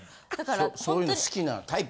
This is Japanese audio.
そういうの好きなタイプ。